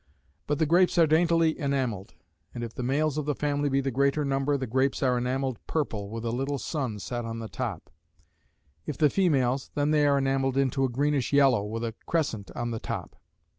But the grapes are daintily enamelled; and if the males of the family be the greater number, the grapes are enamelled purple, with a little sun set on the top; if the females, then they are enamelled into a greenish yellow, with a crescent on the top.